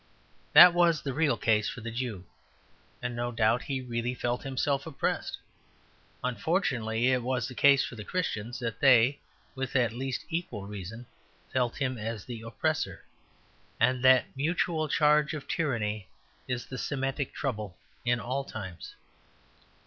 That was the real case for the Jew; and no doubt he really felt himself oppressed. Unfortunately it was the case for the Christians that they, with at least equal reason, felt him as the oppressor; and that mutual charge of tyranny is the Semitic trouble in all times.